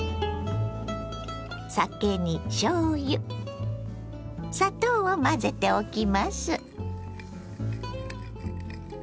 酒にしょうゆ砂糖を混ぜておきます。